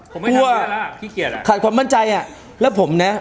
กลัวขัดความมั่นใจแล้วผมเนี่ย